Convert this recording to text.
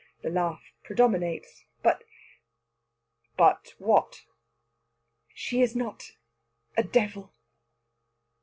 The laugh predominates. "But " "But what?" "She is not a devil."